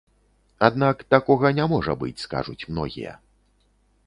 Аднак такога не можа быць, скажуць многія.